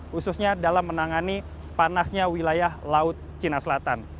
khususnya dalam menangani panasnya wilayah laut cina selatan